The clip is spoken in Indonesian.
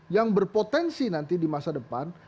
yang berpotensi nanti di masa depan